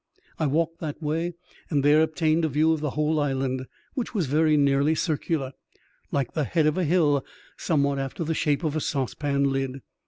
I walked that way and there obtained a view of the whole island, which was very nearly circular, like the head of a hill, some what after the shape of a saucepan lid.